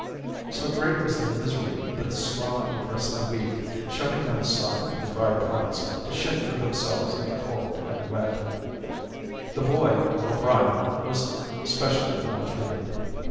So great was their misery that the strong oppressed the weak, shoving them aside from the dry planks to shift for themselves in the cold and wet. The boy, O'Brien, was specially maltreated.